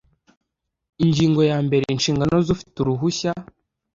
ingingo ya mbere inshingano z ufite uruhushya